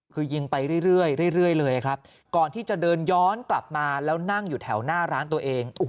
คือยิงไปเรื่อยเลยครับก่อนที่จะเดินย้อนกลับมาแล้วนั่งอยู่แถวหน้าร้านตัวเอง